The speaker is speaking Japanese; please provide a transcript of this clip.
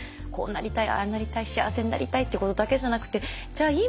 こうなりたいああなりたい幸せになりたいってことだけじゃなくてじゃあ